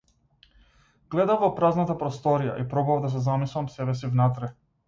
Гледав во празната просторија и пробував да се замислам себеси внатре.